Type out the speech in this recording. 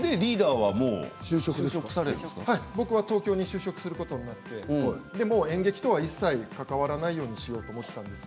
僕は東京に就職することになって演劇とは一切関わらないと思っていたんです。